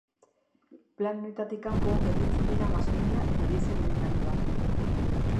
Plan honetatik kanpo gelditzen dira gasolina eta diesel ibilgailuak.